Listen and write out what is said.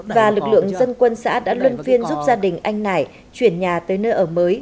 và lực lượng dân quân xã đã luân phiên giúp gia đình anh nải chuyển nhà tới nơi ở mới